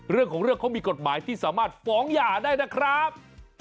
เรื่องของเรื่องเขามีกฎหมายที่สามารถฟ้องหย่าได้นะครับ